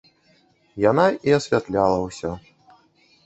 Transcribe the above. Яна і асвятляла ўсё.